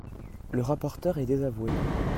Le rapporteur est désavoué